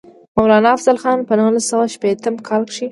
مولانا افضل خان پۀ نولس سوه شپږيشتم کال کښې